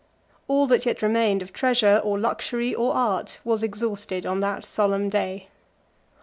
All that yet remained of treasure, or luxury, or art, was exhausted on that solemn day.